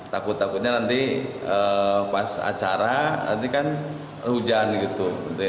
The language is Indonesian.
takut takutnya nanti pas acara nanti kan hujan gitu